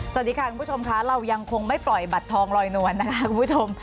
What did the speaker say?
สวัสดีค่ะคุณผู้ชมค่ะเรายังคงไม่ปล่อยบัตรทองลอยนวลนะคะคุณผู้ชม